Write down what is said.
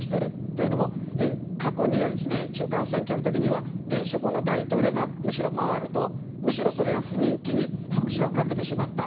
というのも過去には中間選挙の時には現職の大統領がむしろ回るとむしろそれが不人気に拍車を掛けてしまった。